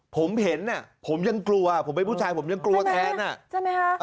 ผมเห็นผมยังกลัวผมไม่เป็นผู้ชายผมยังกลัวแทน